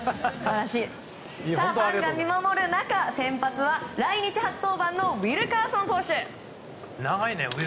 ファンが見守る中先発は来日初登板のウィルカーソン投手。